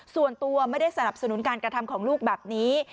ส่วนตัวไม่ได้สนับสนุนการกระทำของลูกแบบนี้